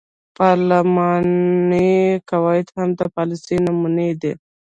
پارلماني قواعد هم د پالیسۍ نمونې دي.